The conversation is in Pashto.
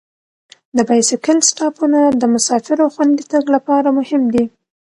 د بایسکل سټاپونه د مسافرو خوندي تګ لپاره مهم دي.